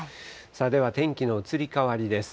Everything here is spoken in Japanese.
では天気の移り変わりです。